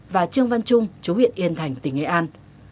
và trương văn trung chú huyện yên thành tỉnh nghệ an